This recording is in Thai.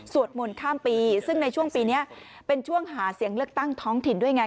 มนต์ข้ามปีซึ่งในช่วงปีนี้เป็นช่วงหาเสียงเลือกตั้งท้องถิ่นด้วยไง